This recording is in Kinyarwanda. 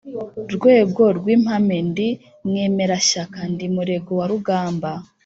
Rwego rw'impame ndi mwemerashyaka, ndi Murego wa rugamba,